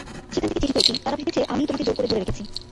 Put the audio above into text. সেখান থেকে চিঠি পেয়েছি, তারা ভেবেছে আমিই তোমাকে জোর করে ধরে রেখেছি।